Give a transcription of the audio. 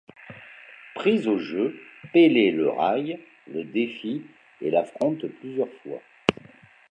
Prise au jeu, Pélé le raille, le défie et l'affronte plusieurs fois.